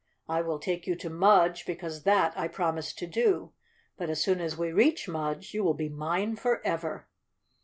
I will take you to Mudge because that I prom¬ ised to do, but as soon as we reach Mudge you will be mine forever!"